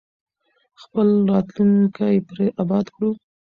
خپل راتلونکی پرې اباد کړو.